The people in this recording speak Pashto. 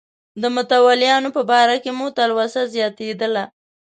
د متولیانو په باره کې مې تلوسه زیاتېدله.